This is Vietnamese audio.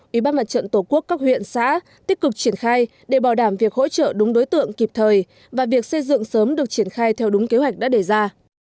ủy ban mặt trận tổ quốc các huyện xã tích cực triển khai để bảo đảm việc hỗ trợ đúng đối tượng kịp thời và việc xây dựng sớm được triển khai theo đúng kế hoạch đã đề ra